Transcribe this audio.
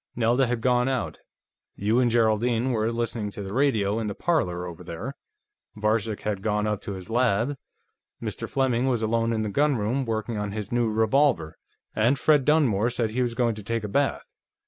Nelda had gone out. You and Geraldine were listening to the radio in the parlor, over there. Varcek had gone up to his lab. Mr. Fleming was alone in the gunroom, working on his new revolver. And Fred Dunmore said he was going to take a bath.